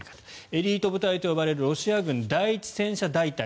エリート部隊と呼ばれるロシア軍第１戦車大隊